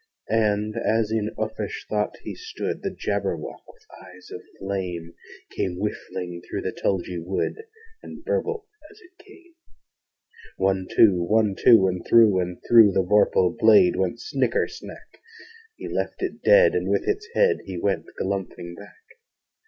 And, as in uffish thought he stood, The Jabberwock, with eyes of flame, Came whiffling through the tulgey wood, And burbled as it came! One, two! One, two! And through and through The vorpal blade went snicker snack! He left it dead, and with its head He went galumphing back.